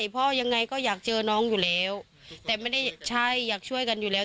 พ่อยังไงก็อยากเจอน้องอยู่แล้วแต่ไม่ได้ใช่อยากช่วยกันอยู่แล้ว